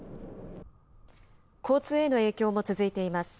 交通への影響も続いています。